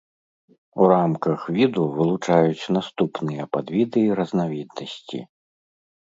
У рамках віду вылучаюць наступныя падвіды і разнавіднасці.